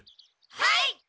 はい！